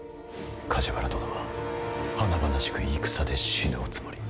梶原殿は華々しく戦で死ぬおつもり。